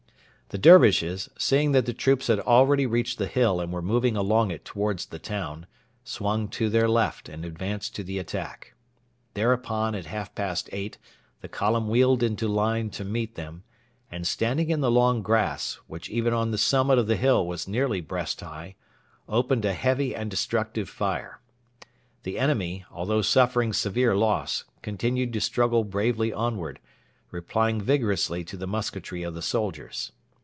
The Dervishes, seeing that the troops had already reached the hill and were moving along it towards the town, swung to their left and advanced to the attack. Thereupon at half past eight the column wheeled into line to meet them, and standing in the long grass, which even on the summit of the hill was nearly breast high, opened a heavy and destructive fire. The enemy, although suffering severe loss, continued to struggle bravely onward, replying vigorously to the musketry of the soldiers.